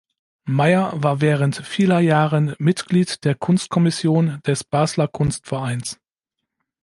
Meyer war während vieler Jahren Mitglied der Kunstkommission des Basler Kunstvereins.